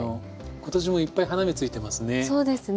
今年もいっぱい花芽ついてますね。